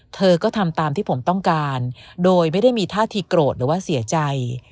เธอก็ทำตามที่ผมต้องการโดยไม่ได้มีท่าทีโกรธหรือว่าเสียใจ